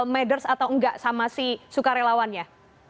matters atau enggak sama si sukarelawannya